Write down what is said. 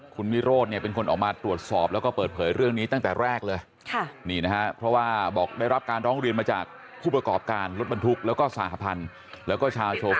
คุณวิโรธเนี่ยเป็นคนออกมาตรวจสอบแล้วก็เปิดเผยเรื่องนี้ตั้งแต่แรกเลย